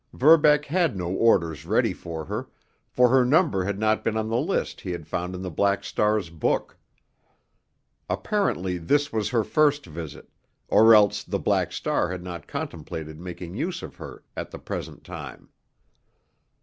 Verbeck had no orders ready for her, for her number had not been on the list he had found in the Black Star's book. Apparently this was her first visit, or else the Black Star had not contemplated making use of her at the present time.